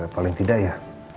paling tidak ya